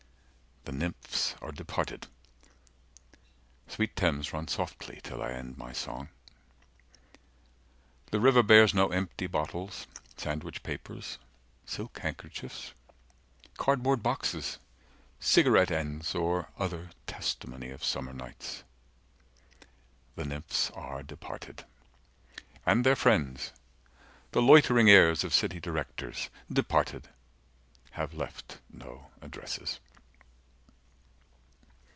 The nymphs are departed. 175 Sweet Thames, run softly, till I end my song. The river bears no empty bottles, sandwich papers, Silk handkerchiefs, cardboard boxes, cigarette ends Or other testimony of summer nights. The nymphs are departed. And their friends, the loitering heirs of city directors; 180 Departed, have left no addresses.